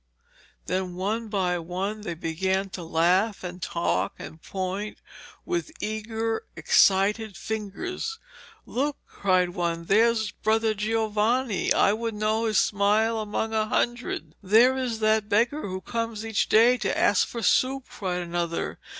Then one by one they began to laugh and talk, and point with eager, excited fingers. 'Look,' cried one, 'there is Brother Giovanni; I would know his smile among a hundred.' 'There is that beggar who comes each day to ask for soup,' cried another.